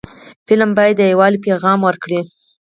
فلم باید د یووالي پیغام ورکړي